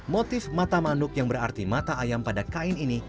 motif mata manuk yang berarti mata ayam pada kain ini